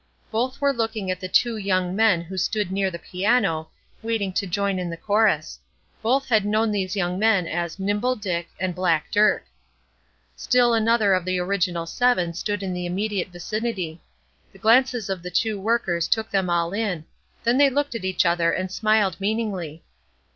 Both were looking at the two young men who stood near the piano, waiting to join in the chorus. Both had known these young men as "Nimble Dick" and "Black Dirk." Still another of the original seven stood in the immediate vicinity. The glances of the two workers took them all in; then they looked at each other, and smiled meaningly.